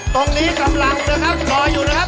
ตรงนี้กำลังนะครับรออยู่นะครับ